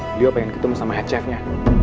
beliau pengen ketemu sama acefnya